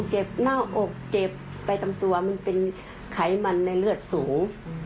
หน้าอกเจ็บไปตามตัวมันเป็นไขมันในเลือดสูง